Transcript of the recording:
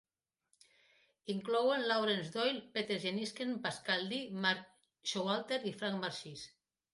Inclouen Laurance Doyle, Peter Jenniskens, Pascal Lee, Mark R. Showalter i Franck Marchis.